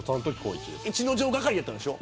逸ノ城係だったんでしょ。